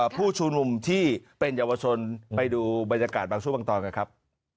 ผู้ชุมนุมที่เป็นเยาวชนไปดูบรรยากาศบางช่วงบางตอนกันครับ